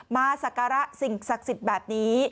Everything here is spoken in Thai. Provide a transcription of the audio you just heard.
สักการะสิ่งศักดิ์สิทธิ์แบบนี้